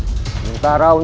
sementara untukmu pak waguna